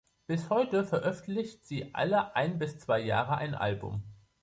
Bis heute veröffentlicht sie alle ein bis zwei Jahre ein Album.